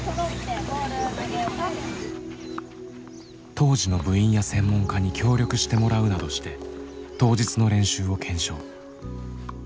当時の部員や専門家に協力してもらうなどして当日の練習を検証。